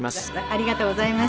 ありがとうございます。